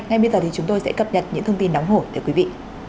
ngay bây giờ thì chúng tôi sẽ cập nhật những thông tin đóng hổi cho quý vị